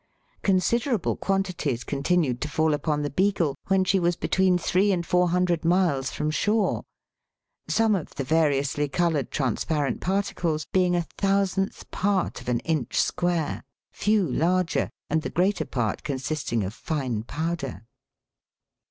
Considerable quantities continued to fall upon the Beagle when she was between three and four hundred miles from shore, some of the variously coloured transparent particles being a thousandth part of an inch square, few larger, and the greater part consisting of fine powder.